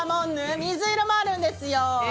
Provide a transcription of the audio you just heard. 水色もあるんですよ！